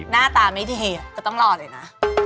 หน้าตาไม่ดีก็ต้องรอเลยนะ